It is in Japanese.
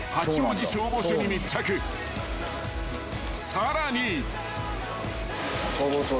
［さらに］